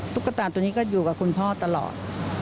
ตุ๊กตาตัวนี้ก็อยู่กับคุณพ่อตลอด